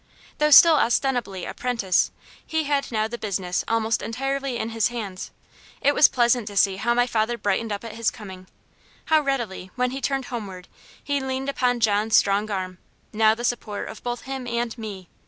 Though still ostensibly a 'prentice, he had now the business almost entirely in his hands. It was pleasant to see how my father brightened up at his coming how readily, when he turned homeward, he leaned upon John's strong arm, now the support of both him and me.